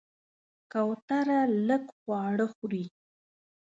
کوتره لږ خواړه خوري.